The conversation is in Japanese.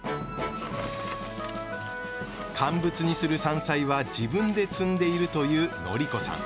乾物にする山菜は自分で摘んでいるというのり子さん。